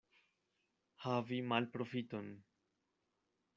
Havi malprofiton.